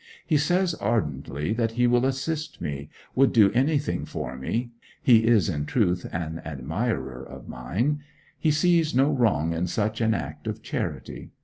He says ardently that he will assist me would do anything for me (he is, in truth, an admirer of mine); he sees no wrong in such an act of charity.